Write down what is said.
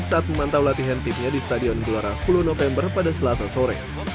saat memantau latihan timnya di stadion gelora sepuluh november pada selasa sore